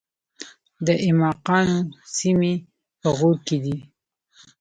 د ایماقانو سیمې په غور کې دي